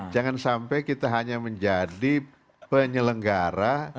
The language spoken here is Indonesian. jangan sampai kita hanya menjadi penyelenggara